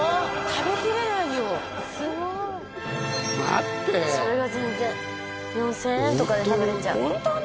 食べきれないよすごい待ってそれが全然４０００円とかで食べれちゃうホントに？